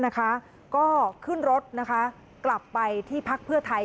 ก็ขึ้นรถกลับไปที่พักเพื่อไทย